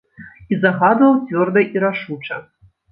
І загадваў цвёрда і рашуча.